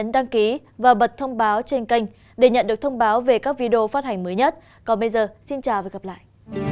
xin chào và hẹn gặp lại